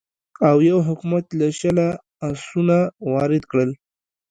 اویو حکومت له شله اسونه وارد کړل.